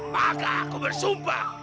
maka aku bersumpah